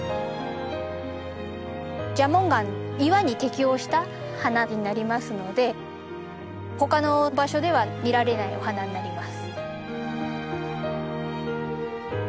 蛇紋岩岩に適応した花になりますのでほかの場所では見られないお花になります。